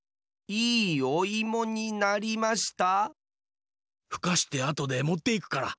いいおいもになりました。